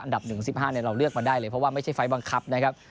ดับ๑๑๕เราเลือกมาได้เลยเพราะว่าไม่ใช่ไฟล์บังคับนะครับ